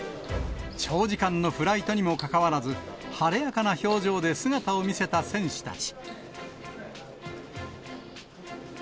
長時間のフライトにもかかわらず、晴れやかな表情で姿を見せた選手たち。